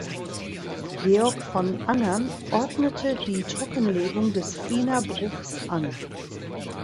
Georg von Angern ordnete die Trockenlegung des Fiener Bruchs an.